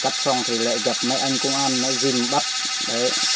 sau đó chúng tôi đã kiểm tra nhiều biện pháp hiệp vụ